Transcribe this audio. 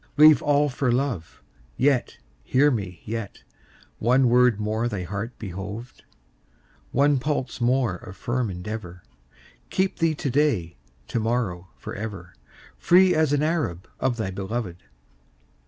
Leave all for love; Yet, hear me, yet, One word more thy heart behoved, One pulse more of firm endeavor, Keep thee to day, To morrow, forever, Free as an Arab Of thy beloved.